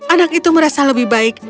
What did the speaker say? anak itu merasa lebih baik